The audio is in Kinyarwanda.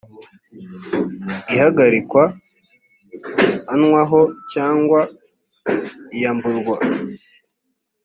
ihagarikwa anwaho cyangwa iyamburwa